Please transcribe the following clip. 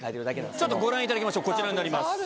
ちょっとご覧いただきましょうこちらになります。